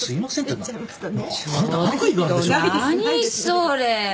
それ。